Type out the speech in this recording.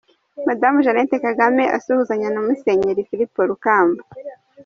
Madamu Jeannette Kagame asuhuzanya na Musenyeri Filipo Rukamba.